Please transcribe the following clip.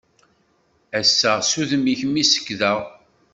Ass-a s udem-ik mi sekdeɣ.